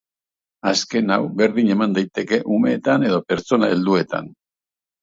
Azken hau berdin eman daiteke umeetan edo pertsona helduetan.